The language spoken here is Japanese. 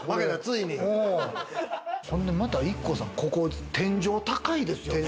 ほんでまたＩＫＫＯさん、天井高いですよね。